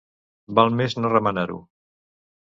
Val més no remenar-ho.